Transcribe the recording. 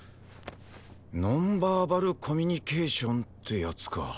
ノンバーバルコミュニケーションってやつか。